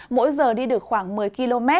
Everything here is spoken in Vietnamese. mỗi giờ đi được khoảng một mươi km